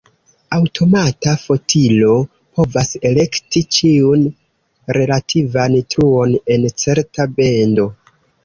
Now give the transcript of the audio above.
Aŭtomata fotilo povas elekti ĉiun relativan truon en certa bendo.